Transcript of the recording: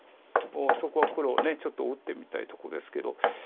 そこは黒ちょっと打ってみたいとこですけど。